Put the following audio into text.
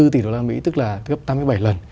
ba bốn tỷ đô la mỹ tức là gấp tám mươi bảy lần